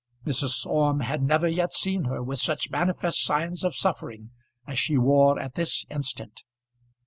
Mrs. Orme had never yet seen her with such manifest signs of suffering as she wore at this instant.